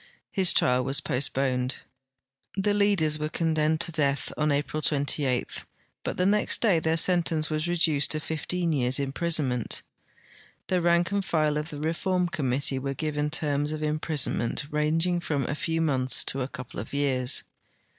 His trial was postponed. The leaders were condemned to death on April 28, hut the next day their sentence Avas reduced to fifteen years' imprisonment. The rank and file of the reform committee were given terms of imprisonment ranging from a few months to a couple of years.